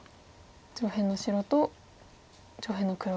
上辺の白と上辺の黒。